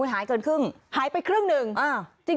หายเกินครึ่งหายไปครึ่งหนึ่ง